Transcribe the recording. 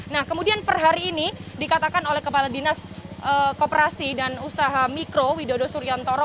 nah kemudian per hari ini dikatakan oleh kepala dinas kooperasi dan usaha mikro widodo suryantoro